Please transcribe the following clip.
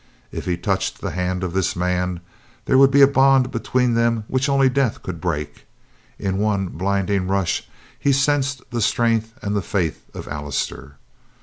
If he touched the hand of this man, there would be a bond between them which only death could break. In one blinding rush he sensed the strength and the faith of Allister.